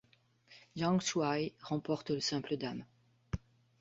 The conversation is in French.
Zhang Shuai remporte le simple dames.